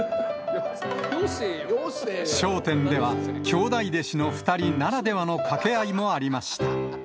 笑点では、兄弟弟子の２人ならではの掛け合いもありました。